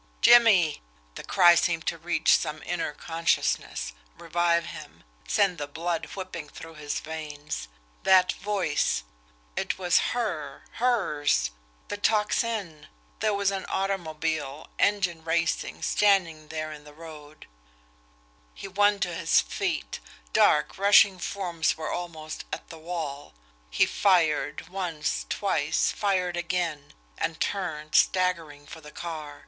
"JIMMIE!" The cry seemed to reach some inner consciousness, revive him, send the blood whipping through his veins. That voice! It was her HERS! The Tocsin! There was an automobile, engine racing, standing there in the road. He won to his feet dark, rushing forms were almost at the wall. He fired once twice fired again and turned, staggering for the car.